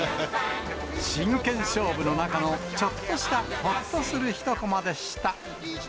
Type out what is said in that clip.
真剣勝負の中のちょっとしたほっとする一コマでした。